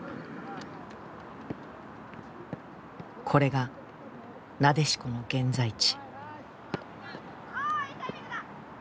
これがなでしこの現在地。